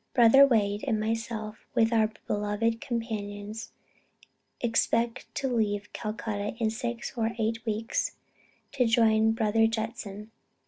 "Brother Wade and myself, with our beloved companions, expect to leave Calcutta in six or eight weeks, to join brother Judson.